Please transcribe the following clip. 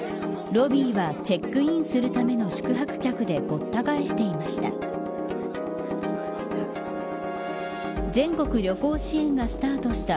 ロビーは、チェックインするための宿泊客でごった返していました。